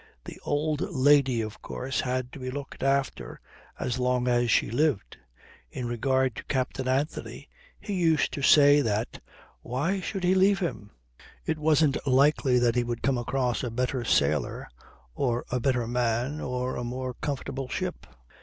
The "old lady" of course had to be looked after as long as she lived. In regard to Captain Anthony, he used to say that: why should he leave him? It wasn't likely that he would come across a better sailor or a better man or a more comfortable ship.